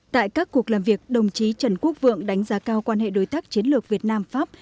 tại các cuộc làm việc đồng chí trần quốc vượng đánh giá cao quan hệ đối tác chiến lược việt nam pháp